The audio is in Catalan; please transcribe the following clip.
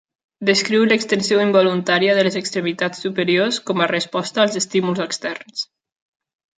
Descriu l'extensió involuntària de les extremitats superiors com a resposta als estímuls externs.